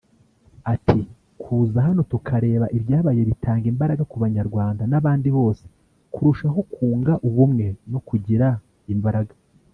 Ati “Kuza hano tukareba ibyabaye bitanga imbaraga ku Banyarwanda n’abandi bose kurushaho kunga ubumwe no kugira imbaraga